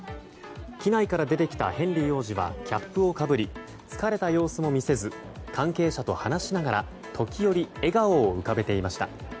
機内から出てきたヘンリー王子はキャップをかぶり疲れた様子も見せず関係者と話しながら時折、笑顔を浮かべていました。